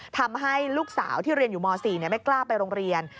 ทำให้ลูกสาวที่เรียนอยู่ม๔ไม่กล้าไปโรงเรียน